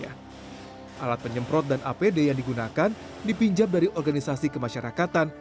alat penyemprot dan apd yang digunakan dipinjam dari organisasi kemasyarakatan